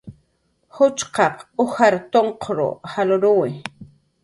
Ujchqaq ujar tunqur jalruwi